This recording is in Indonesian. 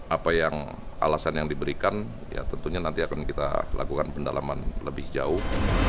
apa yang alasan yang diberikan ya tentunya nanti akan kita lakukan pendalaman lebih jauh